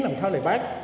làm theo lời bác